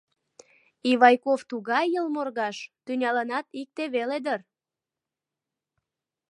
Ивайков тугай йылморгаж, тӱняланат икте веле дыр.